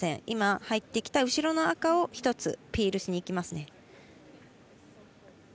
今、入ってきた後ろの赤を１つピールしにいきますね。